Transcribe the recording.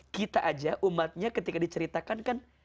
kita aja umatnya ketika diceritakan kan